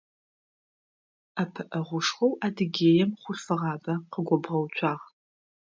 Ӏэпыӏэгъушхоу Адыгеем хъулъфыгъабэ къыгобгъэуцуагъ.